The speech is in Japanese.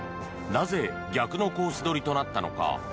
なぜ逆のコース取りとなったのか。